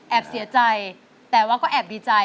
แอบเสียใจแต่แต่ว่ก็แอบวิจัย